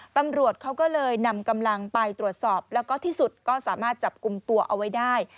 ตำรวจเขาก็เลยนำกำลังไปตรวจสอบแล้วก็ที่สุดก็สามารถจับกลุ่มตัวเอาไว้ได้